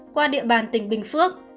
qua địa bàn tỉnh bình phước